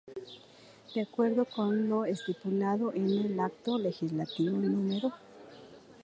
De acuerdo con lo estipulado en el Acto Legislativo No.